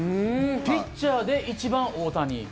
ピッチャーで１番、大谷。